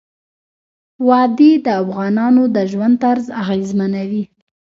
وادي د افغانانو د ژوند طرز اغېزمنوي.